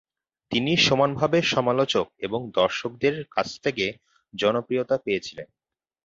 তিনি সমানভাবে সমালোচক এবং দর্শকদের কাছ থেকে জনপ্রিয়তা পেয়েছিলেন।